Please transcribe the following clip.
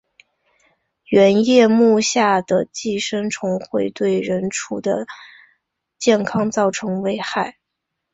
圆叶目下的寄生虫会对人畜的健康造成危害。